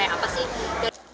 kayak apa sih